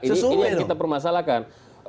ini yang kita permasalahkan